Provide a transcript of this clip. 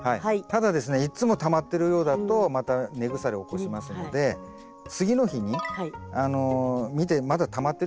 ただですねいつもたまってるようだとまた根腐れ起こしますので次の日に見てまだたまってるようだったら。